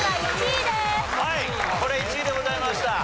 はいこれ１位でございました。